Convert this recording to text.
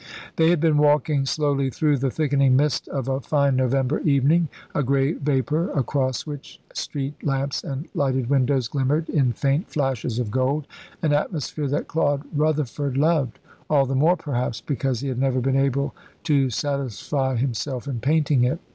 They had been walking slowly through the thickening mist of a fine November evening, a grey vapour, across which street lamps and lighted windows glimmered in faint flashes of gold, an atmosphere that Claude Rutherford loved, all the more, perhaps, because he had never been able to satisfy himself in painting it.